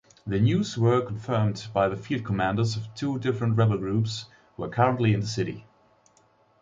The news were confirmed by the field commanders of two different rebel groups who are currently in the city.